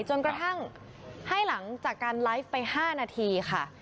จนกระทั่งให้หลังจากการไลฟ์ไป๕นาทีค่ะ